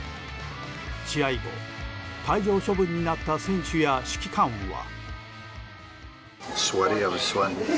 試合後、退場処分になった選手や指揮官は。